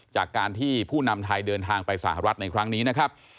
จากการที่ผู้นำไทยเดินทางไปสหรัฐในครั้งนี้นะครับ